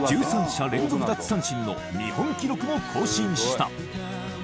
１３者連続奪三振の日本記録も更新した。